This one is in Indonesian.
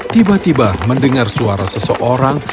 tiba tiba mendengar suara seseorang